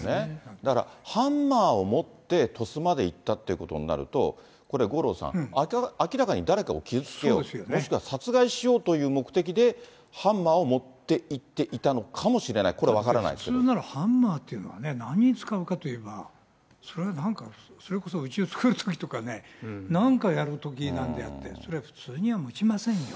だからハンマーを持って鳥栖まで行ったということになると、これ、五郎さん、明らかに誰かを傷つけようと、もしくは殺害しようという目的でハンマーを持っていっていたのかもしれない、これ分から普通ならハンマーというのはね、何に使うかというのは、それはなんか、それこそうちを作るときとかね、なんかやるときなんであって、それは普通には持ちませんよ。